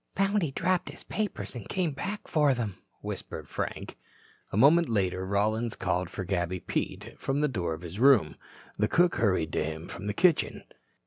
"Found he dropped his papers and came back for them," whispered Frank. A moment later Rollins called for Gabby Pete from the door of his room. The cook hurried to him from the kitchen.